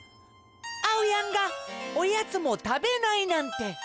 あおやんがおやつもたべないなんて。